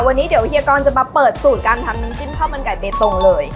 วันนี้เดี๋ยวเฮียกรจะมาเปิดสูตรการทำน้ำจิ้มข้าวมันไก่เบตงเลย